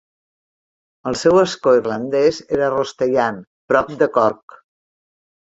El seu escó irlandès era Rostellan, prop de Cork.